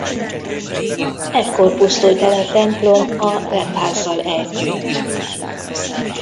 Ekkor pusztult el a templom a rendházzal együtt.